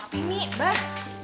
tapi mi abah